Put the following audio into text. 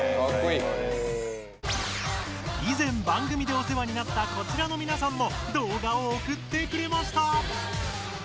いぜん番組でおせわになったこちらのみなさんも動画を送ってくれました！